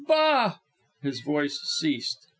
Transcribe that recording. Bah! " His voice ceased.